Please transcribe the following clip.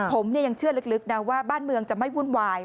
ผมยังเชื่อลึกนะว่าบ้านเมืองจะไม่วุ่นวาย